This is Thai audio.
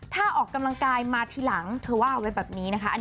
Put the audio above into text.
ถ้าออกกำลังกายมาทีหลังเธอว่าเอาไว้แบบนี้นะคะ